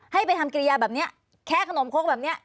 ให้ไปทำกิริยาแบบนี้แค่ขนมโค้งแบบนี้